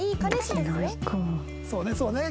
そうねそうね。